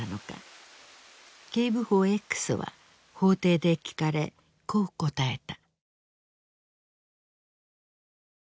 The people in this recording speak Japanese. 警部補Ｘは法廷で聞かれこう答えた。